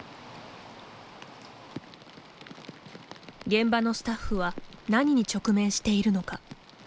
現場のスタッフは何に直面しているのか。